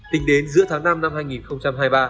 tính đến giữa tháng năm năm hai nghìn hai mươi ba